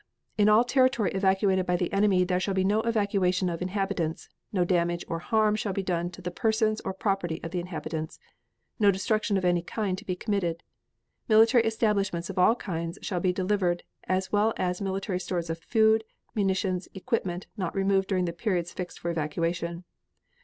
In all territory evacuated by the enemy there shall be no evacuation of inhabitants; no damage or harm shall be done to the persons or property of the inhabitants. No destruction of any kind to be committed. Military establishments of all kinds shall be delivered as well as military stores of food, munitions, equipment not removed during the periods fixed for evacuation.